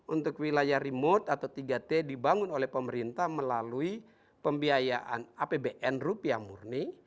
untuk wilayah remote atau tiga t dibangun oleh pemerintah melalui pembiayaan apbn rupiah murni